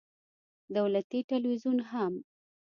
دولتي ټلویزیون هم